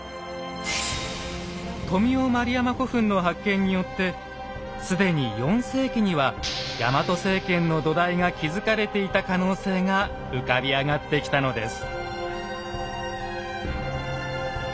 富雄丸山古墳の発見によって既に４世紀にはヤマト政権の土台が築かれていた可能性が浮かび上がってきたのです。